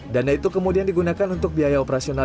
dana itu kemudian digunakan untuk biaya operasional